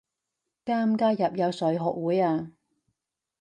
加唔加入游水學會啊？